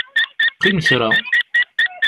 Qqim kra.